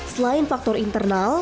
selain faktor internal